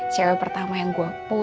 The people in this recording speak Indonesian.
cewek pertama yang gue